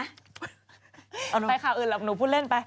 เอาหนูไปข่าวอื่นหลับหนูพูดเล่นไป